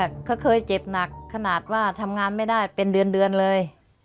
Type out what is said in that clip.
เจ๊ติ๋มเนี่ยเค้าเคยเจ็บหนักขนาดว่าทำงานไม่ได้เป็นเดือนเลย